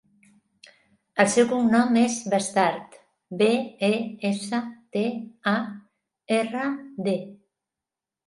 El seu cognom és Bestard: be, e, essa, te, a, erra, de.